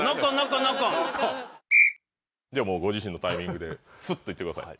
ご自身のタイミングでスッと行ってください。